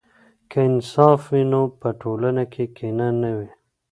که انصاف وي نو په ټولنه کې کینه نه وي.